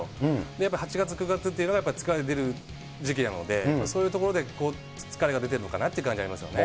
やっぱり８月、９月というのがやっぱり疲れが出る時期なので、そういうところで疲れが出てるのかなっていう感じはありますね。